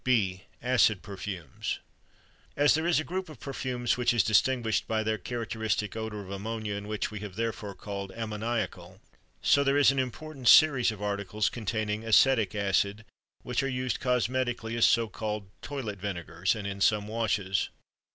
B. ACID PERFUMES. As there is a group of perfumes which is distinguished by their characteristic odor of ammonia and which we have therefore called ammoniacal, so there is an important series of articles containing acetic acid which are used cosmetically as so called toilet vinegars, and in some washes.